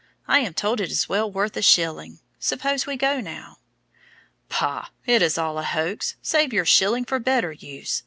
I am told it is well worth a shilling; suppose we go now." "Pah! it is all a hoax; save your shilling for better use.